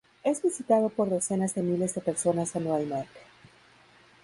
Es visitado por decenas de miles de personas anualmente.